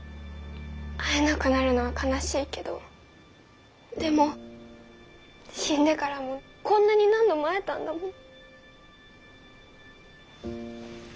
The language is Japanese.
会えなくなるのは悲しいけどでも死んでからもこんなに何度も会えたんだもん！